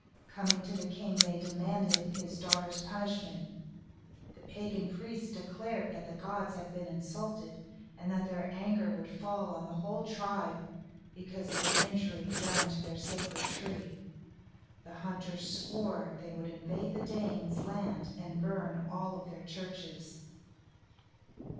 Coming to the king, they demanded his daughter's punishment. The pagan priests declared that the gods had been insulted, and that their anger would fall on the whole tribe, because of the injury done to their sacred tree. The hunters swore they would invade the Danes' land and burn all their churches.